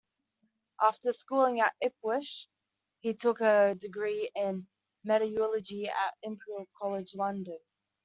After schooling at Ipswich, he took a degree in metallurgy at Imperial College, London.